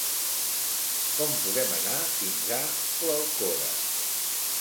Com podem anar fins a l'Alcora?